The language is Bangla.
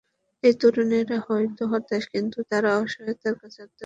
এই তরুণেরা হয়তো হতাশ, কিন্তু তাঁরা অসততার কাছে আত্মসমর্পণ করেননি।